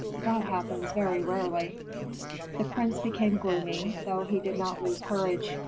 That happens very rarely." The prince became gloomy, though he did not lose courage.